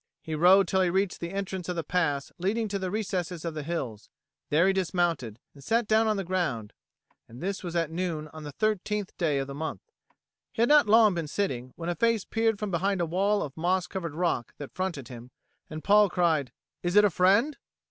He rode till he reached the entrance of the pass leading to the recesses of the hills. There he dismounted, and sat down on the ground; and this was at noon on the 13th day of the month. He had not long been sitting, when a face peered from behind a wall of moss covered rock that fronted him, and Paul cried, "Is it a friend?"